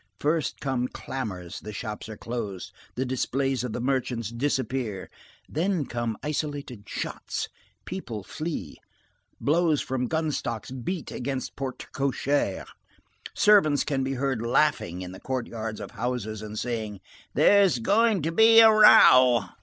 First come clamors, the shops are closed, the displays of the merchants disappear; then come isolated shots; people flee; blows from gun stocks beat against portes cochères, servants can be heard laughing in the courtyards of houses and saying: "There's going to be a row!"